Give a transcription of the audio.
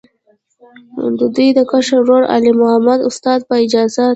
د دوي د کشر ورور، علي محمد استاذ، پۀ اجازت